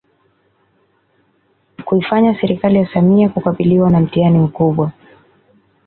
Kuifanya serikali ya Samia kukabiliwa na mtihani mkubwa